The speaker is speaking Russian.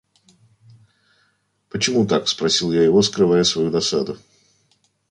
– Почему так? – спросил я его, скрывая свою досаду.